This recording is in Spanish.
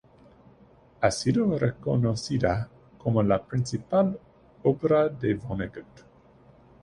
Ha sido reconocida como la principal obra de Vonnegut.